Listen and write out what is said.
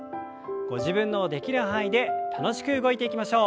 ご自分のできる範囲で楽しく動いていきましょう。